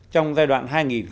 trong giai đoạn